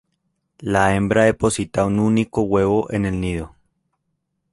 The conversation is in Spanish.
La hembra deposita un único huevo en el nido.